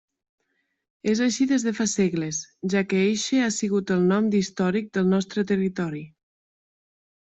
És així des de fa segles, ja que eixe ha sigut el nom d'històric del nostre territori.